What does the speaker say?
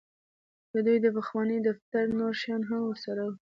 د دوی د پخواني دفتر نور شیان هم ورسره وو